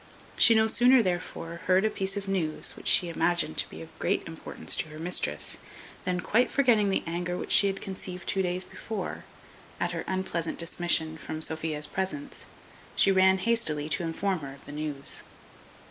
She no sooner therefore heard a piece of news, which she imagined to be of great importance to her mistress, than, quite forgetting the anger which she had conceived two days before, at her unpleasant dismission from Sophia's presence, she ran hastily to inform her of the news.